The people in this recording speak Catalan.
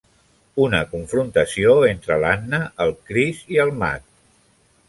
Una confrontació entre l'Anna, el Chris i el Mat.